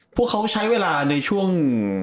พวกเขาใช้เวลาในช่วง